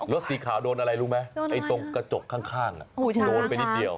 รถสีขาวโดนอะไรรู้ไหมไอ้ตรงกระจกข้างโดนไปนิดเดียว